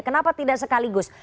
kenapa tidak sekaligus